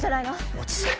落ち着け。